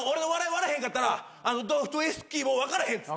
笑えへんかったらドストエフスキーも分からへんっつって。